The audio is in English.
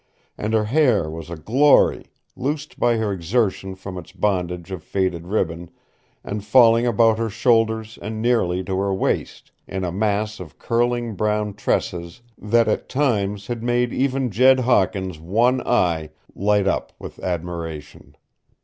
And her hair was a glory, loosed by her exertion from its bondage of faded ribbon, and falling about her shoulders and nearly to her waist in a mass of curling brown tresses that at times had made even Jed Hawkins' one eye light of with admiration.